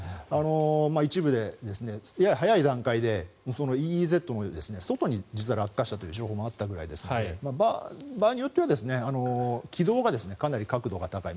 一部で、やや早い段階でＥＥＺの外に実は落下したという情報もあったくらいですので場合によっては軌道が、かなり角度が高い